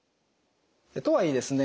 とはいえですね